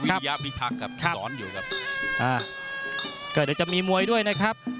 เก้าดอกจะมีมวยด้วยนะครับ